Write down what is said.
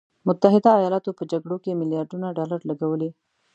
متحده ایالاتو په جګړو کې میلیارډونه ډالر لګولي.